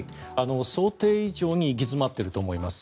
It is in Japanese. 想定以上に行き詰まっていると思います。